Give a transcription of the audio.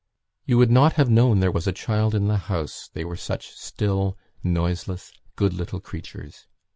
"You would not have known there was a child in the house, they were such still, noiseless, good little creatures.